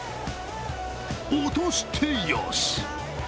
落としてよし！